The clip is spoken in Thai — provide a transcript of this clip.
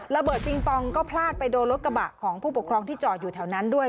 ปิงปองก็พลาดไปโดนรถกระบะของผู้ปกครองที่จอดอยู่แถวนั้นด้วย